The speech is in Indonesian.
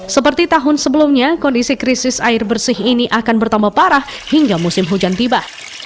seperti tahun sebelumnya kondisi krisis air bersih ini akan bertambah parah hingga musim hujan tiba